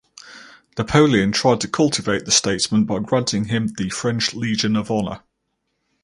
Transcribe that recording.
Napoleon tried to cultivate the statesman by granting him the French Legion of Honor.